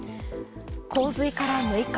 洪水から６日。